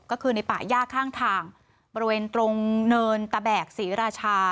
ก็คือในป่าย่าข้างทางบริเวณตรงเนินตะแบกศรีราชา